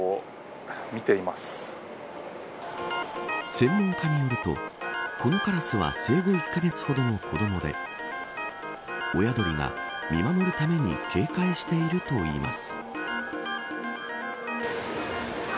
専門家によると、このカラスは生後１カ月ほどの子どもで親鳥が見守るために警戒しているといいます。